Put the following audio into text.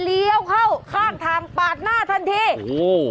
เลี้ยวเข้าข้างทางปากหน้าทันที